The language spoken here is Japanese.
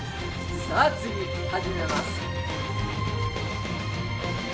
さあ次始めます。